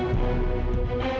aku nggak tahu gimana caranya